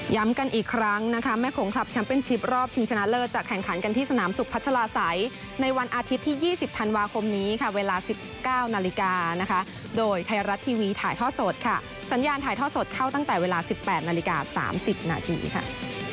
กันอีกครั้งนะคะแม่โขงคลับแชมป์เป็นชิปรอบชิงชนะเลิศจะแข่งขันกันที่สนามสุขพัชลาศัยในวันอาทิตย์ที่๒๐ธันวาคมนี้ค่ะเวลา๑๙นาฬิกานะคะโดยไทยรัฐทีวีถ่ายท่อสดค่ะสัญญาณถ่ายท่อสดเข้าตั้งแต่เวลา๑๘นาฬิกา๓๐นาทีค่ะ